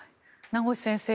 名越先生